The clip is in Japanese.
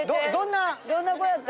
どんな子だった？